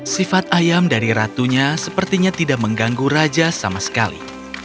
sifat ayam dari ratunya sepertinya tidak mengganggu raja sama sekali